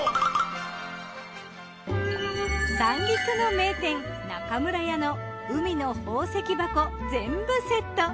三陸の名店中村家の海の宝石箱全部セット。